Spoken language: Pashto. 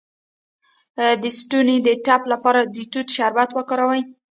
د ستوني د ټپ لپاره د توت شربت وکاروئ